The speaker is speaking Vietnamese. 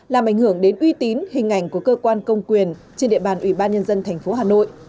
làm ảnh hưởng đến uy tín hình ảnh của cơ quan công quyền trên địa bàn ủy ban nhân dân thành phố hà nội